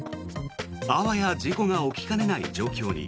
あわや事故が起きかねない状況に。